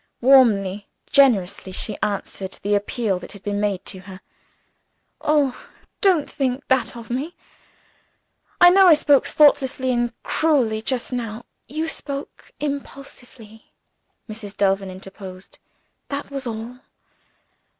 Warmly, generously, she answered the appeal that had been made to her. "Oh, don't think that of me! I know I spoke thoughtlessly and cruelly to you, just now " "You spoke impulsively," Mrs. Delvin interposed; "that was all.